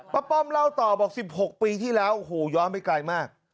ป้อมเล่าต่อบอก๑๖ปีที่แล้วโอ้โหย้อนไปไกลมาก